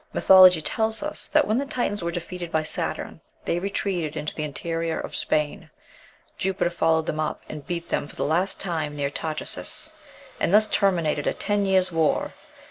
Mythology tells us that when the Titans were defeated by Saturn they retreated into the interior of Spain; Jupiter followed them up, and beat them for the last time near Tartessus, and thus terminated a ten years' war.